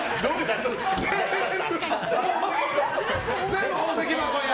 全部、宝石箱や！